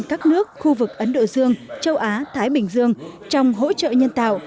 các nước khu vực ấn độ dương châu á thái bình dương trong hỗ trợ nhân tạo